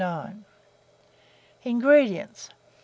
INGREDIENTS.